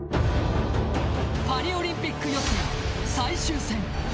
パリオリンピック予選最終戦。